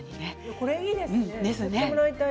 これはいいですよね。